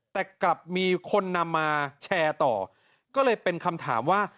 แต่กลับมีคนนำมาแชร์ต่อก็เลยเป็นคำถามว่า